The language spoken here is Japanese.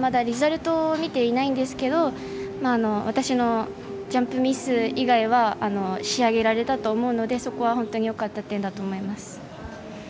まだリザルトを見ていないんですけど私のジャンプミス以外は仕上げられたと思うのでそこは本当によかった点だと思います。